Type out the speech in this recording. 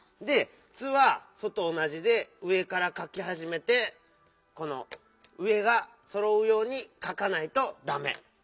で「ツ」は「ソ」とおなじで上からかきはじめてこの上がそろうようにかかないとダメ！